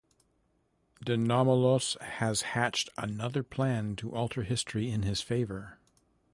DeNomolos has hatched another plan to alter history in his favor.